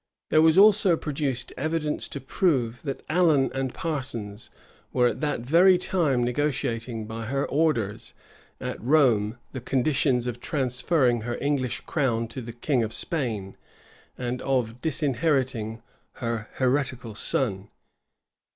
There was also produced evidence to prove, that Allen and Parsons were at that very time negotiating, by her orders, at Rome, the conditions of transferring her English crown to the king of Spain, and of disinheriting her heretical son.